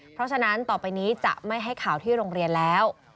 เพราะฉะนั้นต่อไปนี้จะไม่ให้ข่าวที่โรงเรียนแล้ว